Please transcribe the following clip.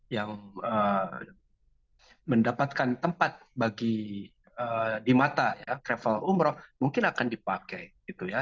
yang mendapatkan tempat bagi di mata ya travel umroh mungkin akan dipakai gitu ya